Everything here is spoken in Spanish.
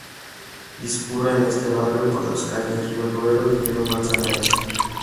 Discurre en este barrio por las calles Río Duero y Río Manzanares.